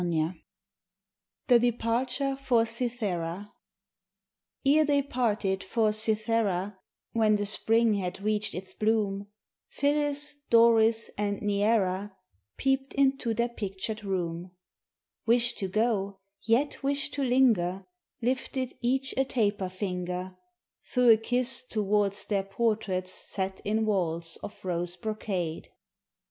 VI THE DEPARTURE FOR CYTHERA ERE they parted for Cythera When the spring had reached its bloom, Phyllis, Doris and Neaera Peeped into their pictured room, Wished to go, yet wished to linger, Lifted each a taper finger, Threw a kiss towards their portraits set in walls of rose brocade.